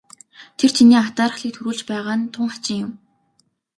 Тэр чиний атаархлыг төрүүлж байгаа нь тун хачин юм.